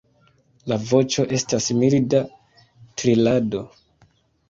La voĉo estas milda trilado.